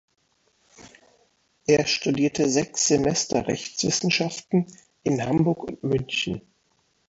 Er studierte sechs Semester Rechtswissenschaften in Hamburg und München.